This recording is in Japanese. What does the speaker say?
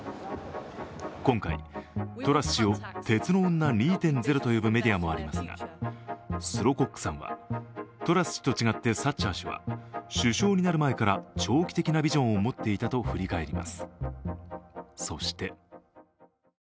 今回、トラス氏を鉄の女２．０と呼ぶメディアもありますが、スロコックさんはトラス氏と違ってサッチャー氏は首相になる前から長期的なビジョンを持っていたと振り返ります。